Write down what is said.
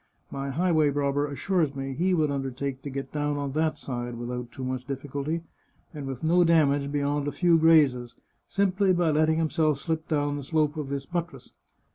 My highway robber assures me he would undertake to get down on that side, without too much difficulty, and with no dam age beyond a few grazes, simply by letting himself slip down the slope of this buttress.